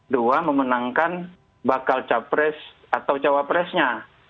dua memenangkan bakal capres atau cawapresnya